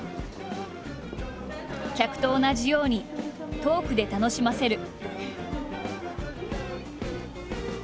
客と同じようにトークで楽しませる。